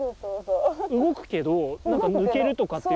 動くけど抜けるとかって。